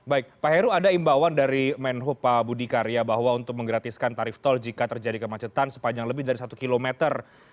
baik pak heru ada imbauan dari menhub pak budi karya bahwa untuk menggratiskan tarif tol jika terjadi kemacetan sepanjang lebih dari satu kilometer